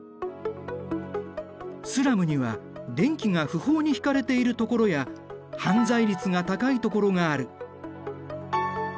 スラムには電気が不法に引かれている所や犯罪率が高い所がある。